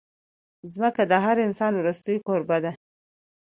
ځمکه د هر انسان وروستۍ کوربه ده.